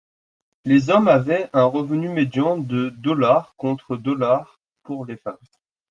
Les hommes avaient un revenu médian de $ contre $ pour les femmes.